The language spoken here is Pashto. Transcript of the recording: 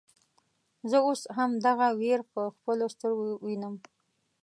زه اوس هم دغه وير په خپلو سترګو وينم.